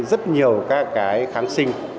rất nhiều các cái kháng sinh